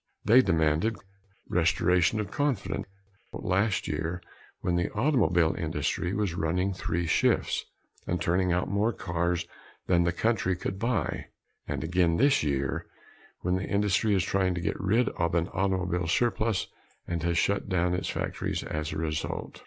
They demanded "restoration of confidence" last year when the automobile industry was running three shifts and turning out more cars than the country could buy and again this year when the industry is trying to get rid of an automobile surplus and has shut down its factories as a result.